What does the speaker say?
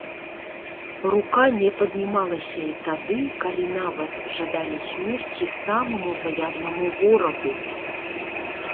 Рука не паднімалася і тады, калі нават жадалі смерці самаму заядламу ворагу.